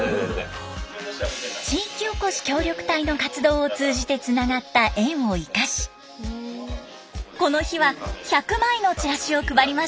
地域おこし協力隊の活動を通じてつながった縁を生かしこの日は１００枚のチラシを配りました。